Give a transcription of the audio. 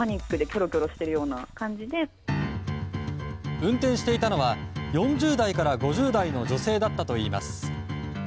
運転していたのは４０代から５０代の女性だったといいます。